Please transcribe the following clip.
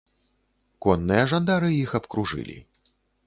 Конныя жандары іх абкружылі.